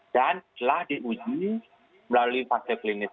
dan telah diuji melalui fase klinik satu dua tiga